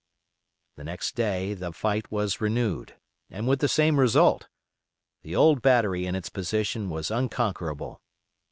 The next day the fight was renewed, and with the same result. The old battery in its position was unconquerable.